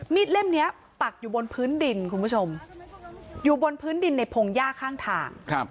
เล่มนี้ปักอยู่บนพื้นดินคุณผู้ชมอยู่บนพื้นดินในพงหญ้าข้างทาง